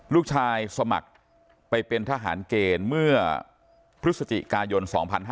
สมัครไปเป็นทหารเกณฑ์เมื่อพฤศจิกายน๒๕๕๙